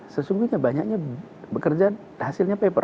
sesungguhnya banyaknya bekerja hasilnya paper